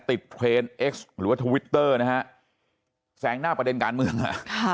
เทรนด์เอ็กซ์หรือว่าทวิตเตอร์นะฮะแสงหน้าประเด็นการเมือง